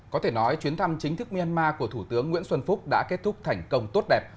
có thể nói chuyến thăm chính thức myanmar của thủ tướng nguyễn xuân phúc đã kết thúc thành công tốt đẹp